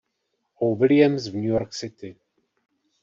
O. Williams v New York City.